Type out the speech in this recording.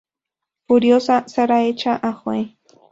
Furiosa, Sara echa a Joe.